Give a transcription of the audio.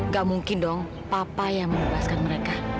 gak mungkin dong papa yang membebaskan mereka